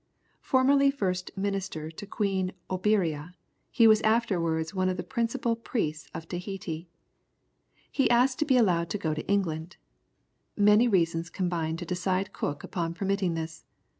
Formerly first minister to Queen Oberea, he was afterwards one of the principal priests of Tahiti. He asked to be allowed to go to England. Many reasons combined to decide Cook upon permitting this.